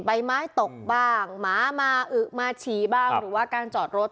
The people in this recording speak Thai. ใบไม้ตกบ้างหมามาอึมาฉี่บ้างหรือว่าการจอดรถ